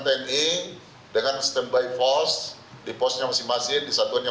jadi rekan rekan tni dengan stand by force di posnya masing masing di satunya